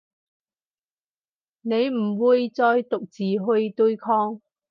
你唔會再獨自去對抗